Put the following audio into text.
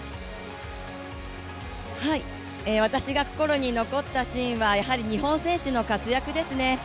私が心に残ったシーンは、やはり日本選手の活躍ですね。